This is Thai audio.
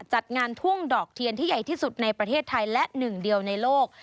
จัดงานทุ่งดอกเทียนที่ใหญ่ที่สุดในประเทศไทยและหนึ่งเดียวในโลก